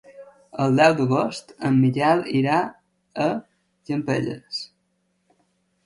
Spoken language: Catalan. El deu d'agost en Miquel irà a Campelles.